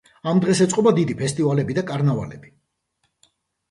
ამ დღეს ეწყობა დიდი ფესტივალები და კარნავალები.